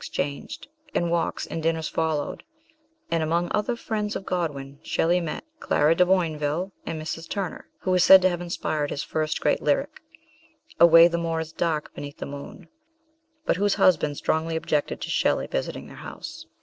55 exchanged, and walks and dinners followed, and, among other friends of Godwin, Shelley met Clara de Boin ville and Mrs. Turner, who is said to have inspired his first great lyric, " Away the moor is dark beneath the moon," but whose husband strongly objected to Shelley visiting their house.